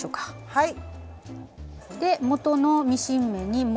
はい。